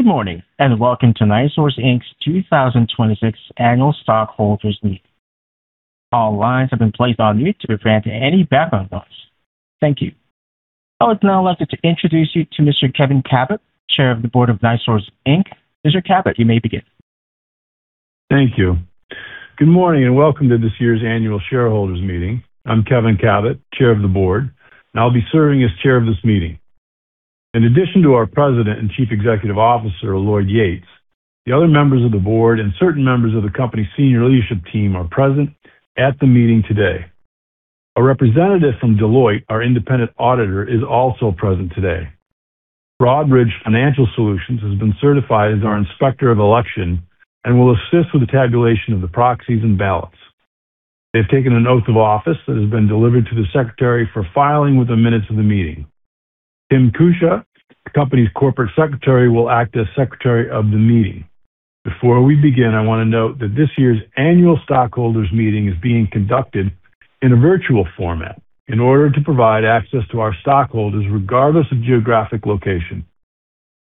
Good morning. Welcome to NiSource Inc.'s 2026 Annual Stockholders Meeting. All lines have been placed on mute to prevent any background noise. Thank you. I would now like to introduce you to Mr. Kevin Kabat, Chair of the Board of NiSource Inc. Mr. Kabat, you may begin. Thank you. Good morning, and welcome to this year's annual shareholders meeting. I'm Kevin Kabat, Chair of the Board, and I'll be serving as chair of this meeting. In addition to our President and Chief Executive Officer, Lloyd Yates, the other members of the board and certain members of the company's senior leadership team are present at the meeting today. A representative from Deloitte, our independent auditor, is also present today. Broadridge Financial Solutions has been certified as our inspector of election and will assist with the tabulation of the proxies and ballots. They've taken an oath of office that has been delivered to the secretary for filing with the minutes of the meeting. Kim Cuccia, the company's Corporate Secretary, will act as secretary of the meeting. Before we begin, I wanna note that this year's annual stockholders' meeting is being conducted in a virtual format in order to provide access to our stockholders regardless of geographic location.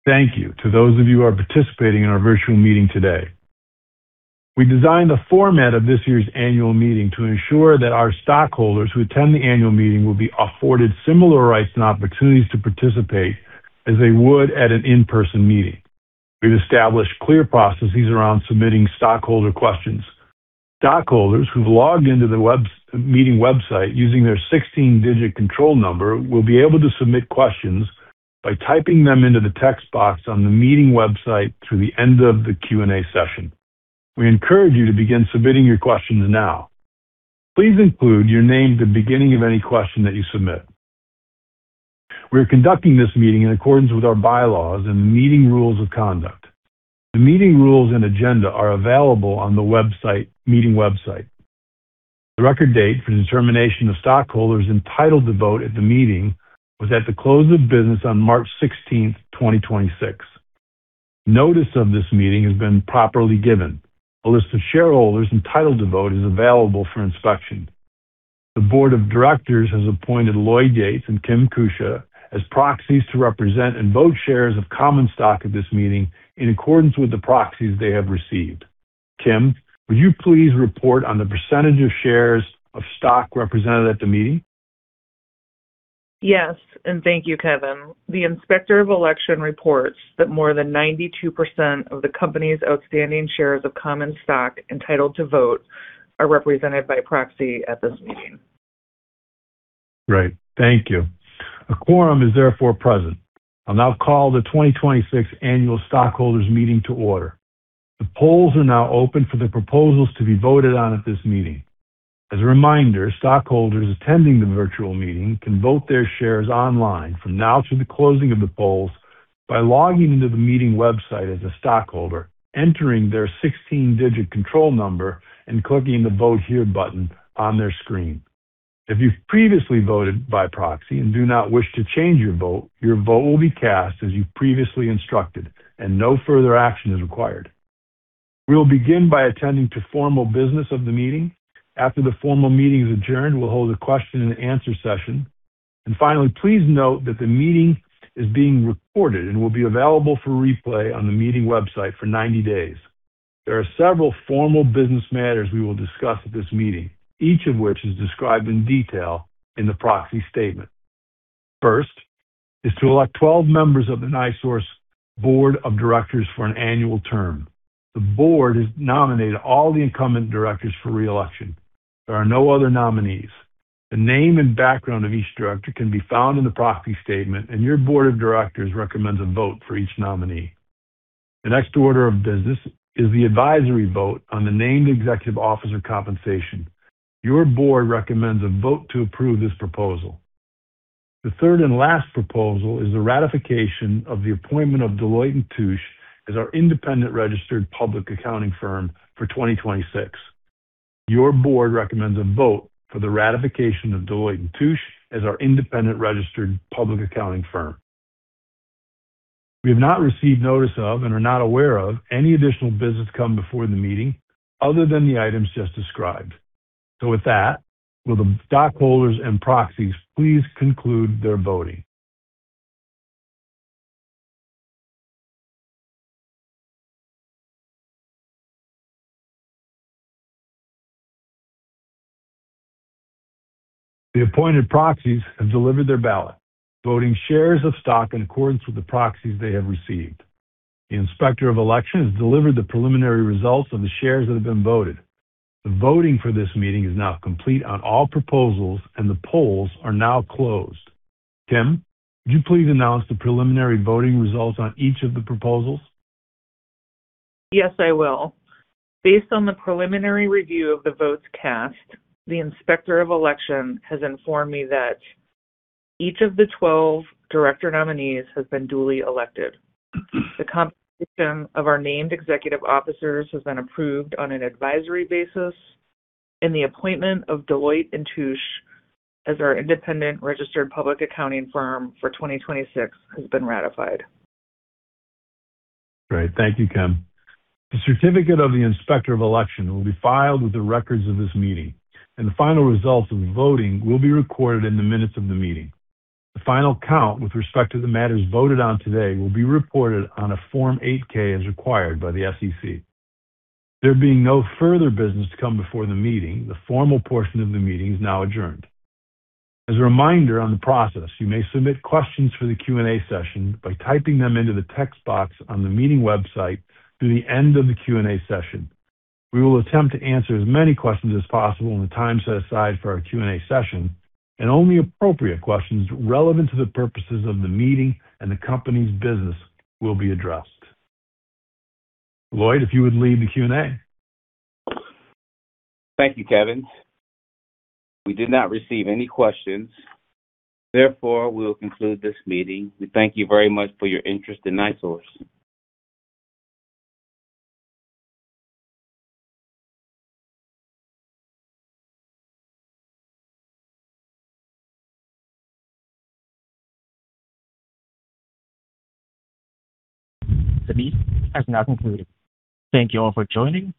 Thank you to those of you who are participating in our virtual meeting today. We designed the format of this year's annual meeting to ensure that our stockholders who attend the annual meeting will be afforded similar rights and opportunities to participate as they would at an in-person meeting. We've established clear processes around submitting stockholder questions. Stockholders who've logged into the web meeting website using their 16-digit control number will be able to submit questions by typing them into the text box on the meeting website through the end of the Q&A session. We encourage you to begin submitting your questions now. Please include your name at the beginning of any question that you submit. We are conducting this meeting in accordance with our bylaws and the meeting rules of conduct. The meeting rules and agenda are available on the website, meeting website. The record date for the determination of stockholders entitled to vote at the meeting was at the close of business on March 16th, 2026. Notice of this meeting has been properly given. A list of shareholders entitled to vote is available for inspection. The Board of Directors has appointed Lloyd Yates and Kim Cuccia as proxies to represent and vote shares of common stock at this meeting in accordance with the proxies they have received. Kim, would you please report on the percentage of shares of stock represented at the meeting? Yes. Thank you, Kevin. The inspector of election reports that more than 92% of the company's outstanding shares of common stock entitled to vote are represented by proxy at this meeting. Great. Thank you. A quorum is therefore present. I'll now call the 2026 annual stockholders meeting to order. The polls are now open for the proposals to be voted on at this meeting. As a reminder, stockholders attending the virtual meeting can vote their shares online from now to the closing of the polls by logging into the meeting website as a stockholder, entering their 16-digit control number, and clicking the Vote Here button on their screen. If you've previously voted by proxy and do not wish to change your vote, your vote will be cast as you previously instructed, and no further action is required. We will begin by attending to formal business of the meeting. After the formal meeting is adjourned, we'll hold a question and answer session. Finally, please note that the meeting is being recorded and will be available for replay on the meeting website for 90 days. There are several formal business matters we will discuss at this meeting, each of which is described in detail in the proxy statement. First is to elect 12 members of the NiSource board of directors for an annual term. The board has nominated all the incumbent directors for re-election. There are no other nominees. The name and background of each director can be found in the proxy statement, and your board of directors recommends a vote for each nominee. The next order of business is the advisory vote on the named executive officer compensation. Your board recommends a vote to approve this proposal. The third and last proposal is the ratification of the appointment of Deloitte & Touche as our independent registered public accounting firm for 2026. Your board recommends a vote for the ratification of Deloitte & Touche as our independent registered public accounting firm. We have not received notice of and are not aware of any additional business to come before the meeting other than the items just described. With that, will the stockholders and proxies please conclude their voting? The appointed proxies have delivered their ballot, voting shares of stock in accordance with the proxies they have received. The inspector of election has delivered the preliminary results of the shares that have been voted. The voting for this meeting is now complete on all proposals, and the polls are now closed. Kim, would you please announce the preliminary voting results on each of the proposals? Yes, I will. Based on the preliminary review of the votes cast, the inspector of election has informed me that each of the 12 director nominees has been duly elected. The compensation of our named executive officers has been approved on an advisory basis. The appointment of Deloitte & Touche as our independent registered public accounting firm for 2026 has been ratified. Great. Thank you, Kim. The certificate of the inspector of election will be filed with the records of this meeting, and the final results of the voting will be recorded in the minutes of the meeting. The final count with respect to the matters voted on today will be reported on a Form 8-K as required by the SEC. There being no further business to come before the meeting, the formal portion of the meeting is now adjourned. As a reminder on the process, you may submit questions for the Q&A session by typing them into the text box on the meeting website through the end of the Q&A session. We will attempt to answer as many questions as possible in the time set aside for our Q&A session, and only appropriate questions relevant to the purposes of the meeting and the company's business will be addressed. Lloyd, if you would lead the Q&A. Thank you, Kevin. We did not receive any questions. Therefore, we will conclude this meeting. We thank you very much for your interest in NiSource. The meeting has now concluded. Thank you all for joining.